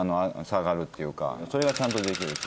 それがちゃんとできるし。